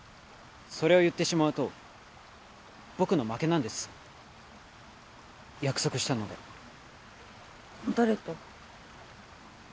それを言ってしまうと僕の負けなんです約束したので誰と？